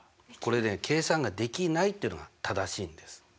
これね「計算ができない」っていうのが正しいんです。